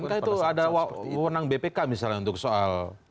bukankah itu ada wawanan bpk misalnya untuk soal